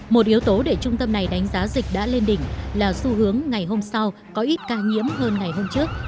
một yếu tố để trung tâm này đánh giá dịch đã lên đỉnh là xu hướng ngày hôm sau có ít ca nhiễm hơn ngày hôm trước